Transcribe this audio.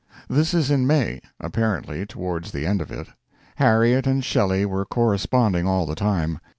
This is in May apparently towards the end of it. Harriet and Shelley were corresponding all the time.